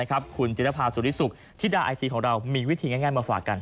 คุณเจนภาสุริสุริสุริที่ดาร์ไอทีของเรามีวิธีง่ายมาฝากกัน